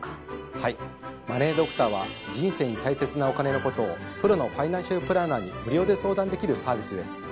はいマネードクターは人生に大切なお金のことをプロのファイナンシャルプランナーに無料で相談できるサービスです。